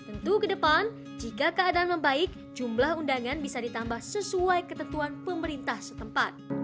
tentu ke depan jika keadaan membaik jumlah undangan bisa ditambah sesuai ketentuan pemerintah setempat